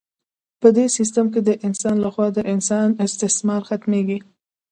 په دې سیستم کې د انسان لخوا د انسان استثمار ختمیږي.